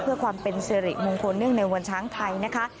เพื่อความเป็นสิริมงคลเนื่องในวันช้างไทยนะคะ